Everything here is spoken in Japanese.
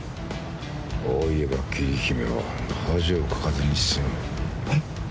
ああ言えば桐姫は恥をかかずに済むえっ